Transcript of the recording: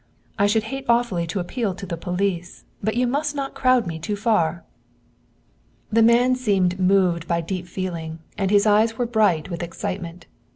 "I should hate awfully to appeal to the police; but you must not crowd me too far." The man seemed moved by deep feeling, and his eyes were bright with excitement.